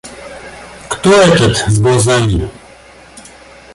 — Кто этот, с глазами?